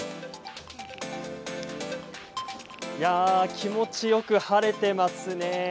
気持ちよく晴れていますね。